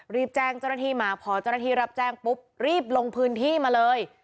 รีบแจ้งเจ้าหน้าที่มาพอเจ้าหน้าที่รับแจ้งปุ๊บรีบลงพื้นที่มาเลย